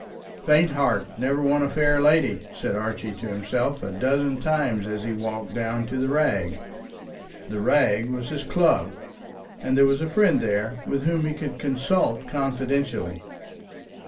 "Faint heart never won a fair lady," said Archie to himself a dozen times, as he walked down to the Rag. The Rag was his club, and there was a friend there whom he could consult confidentially.